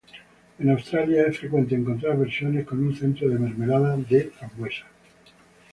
En Australia es frecuente encontrar versiones con un centro de mermelada de frambuesa.